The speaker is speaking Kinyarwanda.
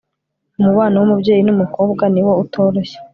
umubano w'umubyeyi n'umukobwa niwo utoroshye